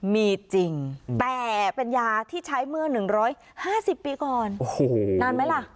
มีจริงแต่เป็นยาที่ใช้เมื่อหนึ่งร้อยห้าสิบปีก่อนโอ้โหนานไหมล่ะ